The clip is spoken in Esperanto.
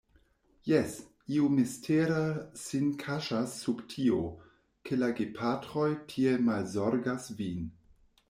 Jes; io mistera sin kaŝas sub tio, ke la gepatroj tiel malzorgas vin.